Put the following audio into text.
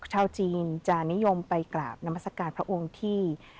ชาวจีนจะนิยมไปกราบนามัศกาลพระองค์ที่